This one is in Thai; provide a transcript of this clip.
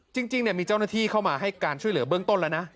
จริงมีเจ้าหน้าที่เข้ามาให้การช่วยเหลือเบื้องต้นแล้วนะ